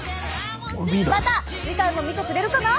また次回も見てくれるかな？